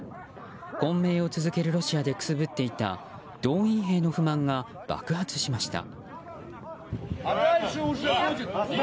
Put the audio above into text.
混迷を続けるロシアでくすぶっていた動員兵の不満が爆発しました。